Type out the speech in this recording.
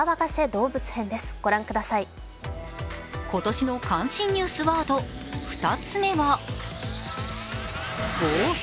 今年関心ニュースワード２つ目は暴走。